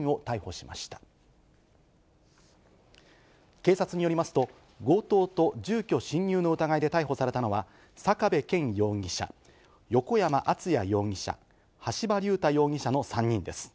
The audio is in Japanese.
警察によりますと、強盗と住居侵入の疑いで逮捕されたのは、坂部謙容疑者、横山篤也容疑者、橋場龍太容疑者の３人です。